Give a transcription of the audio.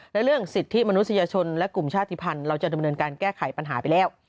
และเรื่องสิทธิมนุษยชนและกลุ่มชาติภัณฑ์เราจะดำเนินการแก้ไขปัญหาไปแล้ว